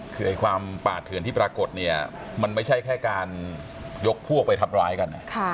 คือความปาดเถื่อนที่ปรากฏเนี่ยมันไม่ใช่แค่การยกพวกไปทำร้ายกัน